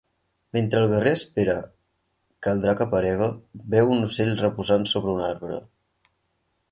Mentre el guerrer espera que el drac aparega, veu un ocell reposant sobre un arbre.